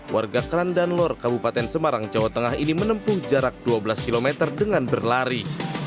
warga krandanlor kabupaten semarang jawa tengah ini menempuh jarak dua belas km dengan berlari